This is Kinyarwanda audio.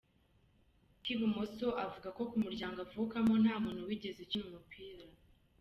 k’ibumoso, avuga ko mu muryango avukamo nta muntu wigeze ukina umupira